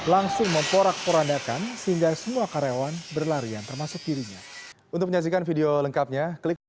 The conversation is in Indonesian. langsung memporak porandakan sehingga semua karyawan berlarian termasuk dirinya